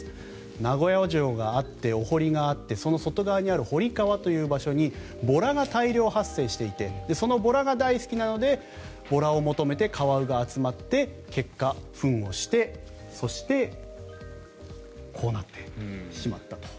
名古屋城があってお堀があってその外側にある堀川という場所にボラが大量発生していてそのボラが大好きなのでボラを求めてカワウが集まって結果、フンをしてそして、こうなってしまったと。